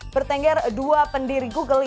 bertengger dua pendiri google